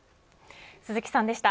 鈴木さんでした。